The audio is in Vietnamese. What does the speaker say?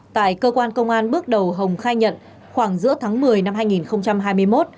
tại cơ quan công an bước đầu hồng khai nhận khoảng giữa tháng một mươi năm hai nghìn hai mươi một